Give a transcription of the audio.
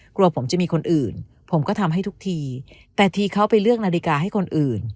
กลัวผมจะมีคนอื่นผมก็ทำให้ทุกทีแต่ทีเขาไปเลือกนาฬิกาให้คนอื่น